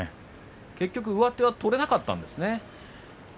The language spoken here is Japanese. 結局まわしは取れなかったんですね。